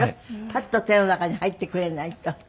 パッと手の中に入ってくれないと。